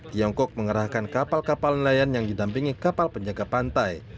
tiongkok mengerahkan kapal kapal nelayan yang didampingi kapal penjaga pantai